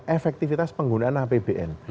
efektivitas penggunaan apbn